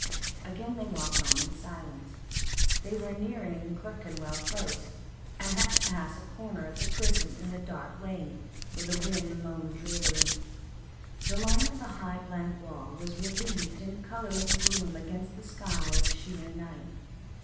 Again they walked on in silence. They were nearing Clerkenwell Close, and had to pass a corner of the prison in a dark lane, where the wind moaned drearily. The line of the high blank wall was relieved in colourless gloom against a sky of sheer night.